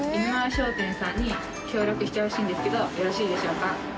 商店さんに協力してほしいんですけどよろしいでしょうか？